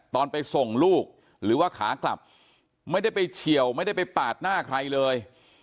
ตอนไปส่งลูกหรือว่าขากลับไม่ได้ไปเฉียวไม่ได้ไปปาดหน้าใครเลย